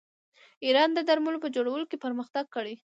ایران د درملو په جوړولو کې پرمختګ کړی.